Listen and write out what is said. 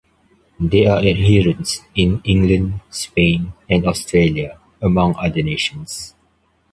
There are adherents in England, Spain and Australia, among other nations.